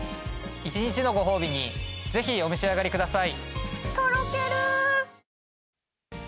一日のご褒美にぜひお召し上がりください。